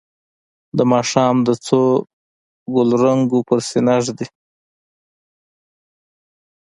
د ماښام د څو ګلرنګو پر سینه ږدي